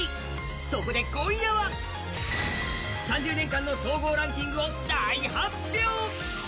そこで今夜は３０年間の総合ランキングを大発表！